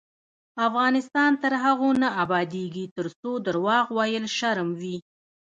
افغانستان تر هغو نه ابادیږي، ترڅو درواغ ویل شرم وي.